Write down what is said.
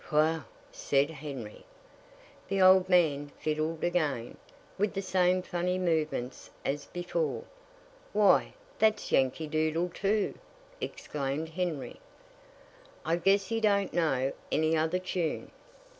"Whew!" said Henry. The old man fiddled again, with the same funny movements as before. "Why, that's 'Yankee Doodle' too!" exclaimed Henry. "I guess he don't know any other tune."